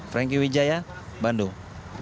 frankie wijaya bandung